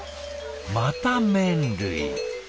また麺類。